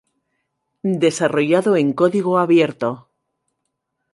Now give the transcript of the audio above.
desarrollado en código abierto